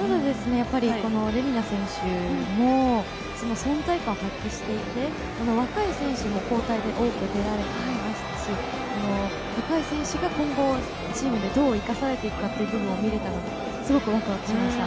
ただですね、レミナ選手の存在感を発揮していて、若い選手の交代を見られたし、若い選手が今後チームでどう生かされていくかというのも見れたのがすごくワクワクしました。